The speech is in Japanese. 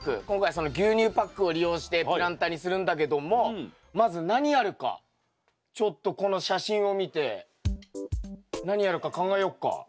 今回はその牛乳パックを利用してプランターにするんだけどもまず何やるかちょっとこの写真を見て何やるか考えよっか。